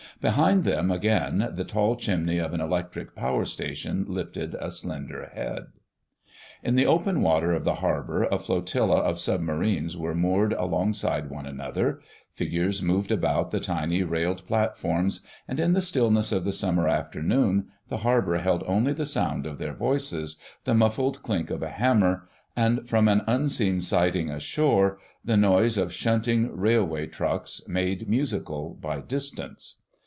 Behind them again the tall chimney of an electric power station lifted a slender head. In the open water of the harbour a flotilla of Submarines were moored alongside one another: figures moved about the tiny railed platforms, and in the stillness of the summer afternoon the harbour held only the sound of their voices, the muffled clink of a hammer, and, from an unseen siding ashore, the noise of shunting railway trucks made musical by distance.